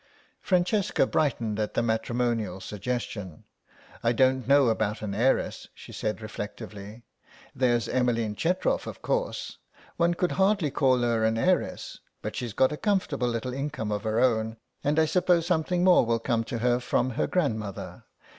Francesca brightened at the matrimonial suggestion. "I don't know about an heiress," she said reflectively. "There's Emmeline Chetrof of course. One could hardly call her an heiress, but she's got a comfortable little income of her own and I suppose something more will come to her from her grandmother.